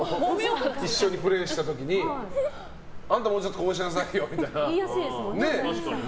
一緒にプレーした時にあんた、もうちょっとこうしなさいよみたいな。